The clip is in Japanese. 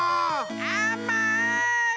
あまい！